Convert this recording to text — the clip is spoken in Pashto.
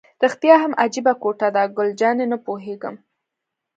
رښتیا هم عجیبه کوټه ده، ګل جانې: نه پوهېږم.